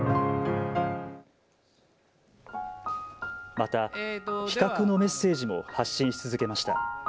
また非核のメッセージも発信し続けました。